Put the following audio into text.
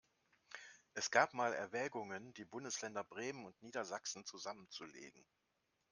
Es gab mal Erwägungen, die Bundesländer Bremen und Niedersachsen zusammenzulegen.